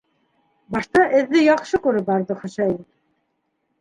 Башта эҙҙе яҡшы күреп барҙы Хөсәйен.